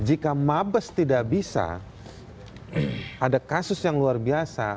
jika mabes tidak bisa ada kasus yang luar biasa